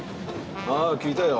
ああ聞いたよ。